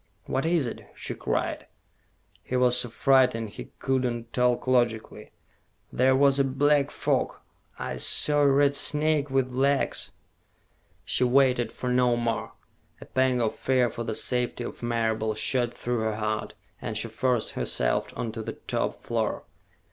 "What is it?" she cried. He was so frightened he could not talk logically. "There was a black fog I saw a red snake with legs " She waited for no more. A pang of fear for the safety of Marable shot through her heart, and she forced herself on to the top floor.